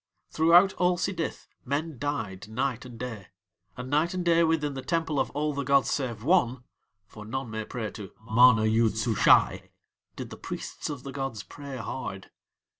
Throughout all Sidith men died night and day, and night and day within the Temple of All the gods save One (for none may pray to MANA YOOD SUSHAI) did the priests of the gods pray hard.